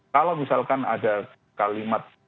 kalau misalkan ada kalimat